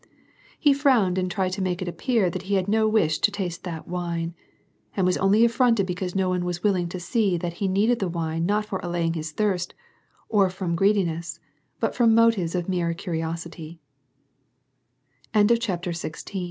He frowned, and tried to make it appear that he had no wish to taste that wine, and was only affronted because no one was willing to see that he needed the wine not for allaying his thirst, or from greediness, but from motives of mere